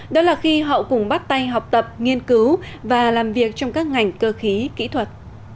đó là khi họ cùng bắt tay học tập nghiên cứu và làm việc trong các ngành cơ khí kỹ thuật